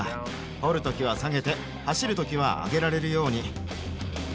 掘るときは下げて走るときは上げられるように。